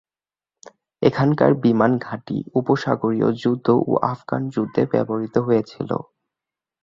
এখানকার বিমান ঘাঁটি উপসাগরীয় যুদ্ধ ও আফগান যুদ্ধে ব্যবহৃত হয়েছিল।